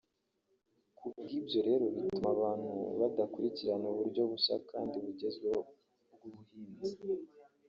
ku bw’ibyo rero bituma abantu badakurikirana uburyo bushya kandi bugezweho bw’ubuhinzi